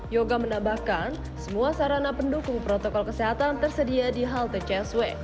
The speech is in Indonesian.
yoga menambahkan semua sarana pendukung protokol kesehatan tersedia di halte csw